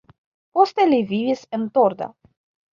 Poste li vivis en Torda.